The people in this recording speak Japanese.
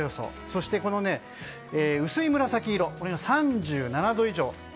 そして、薄い紫色が３７度以上。